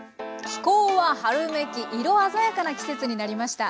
気候は春めき色鮮やかな季節になりました。